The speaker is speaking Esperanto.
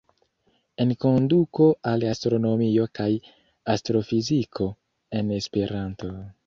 "Enkonduko al astronomio kaj astrofiziko" - en Esperanto!